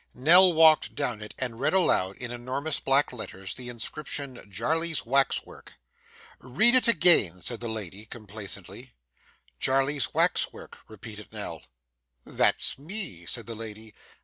Nell walked down it, and read aloud, in enormous black letters, the inscription, 'JARLEY'S WAX WORK.' 'Read it again,' said the lady, complacently. 'Jarley's Wax Work,' repeated Nell. 'That's me,' said the lady.